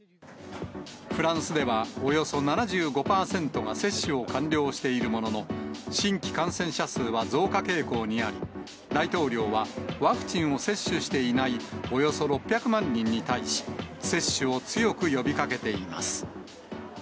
フランスではおよそ７５％が接種を完了しているものの、新規感染者数は増加傾向にあり、大統領はワクチンを接種していないおよそ６００万人に対し、接種を強く呼びかけています。